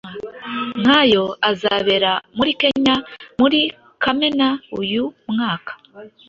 nk’ayo azabera muri Kenya muri Kamena uyu mwaka.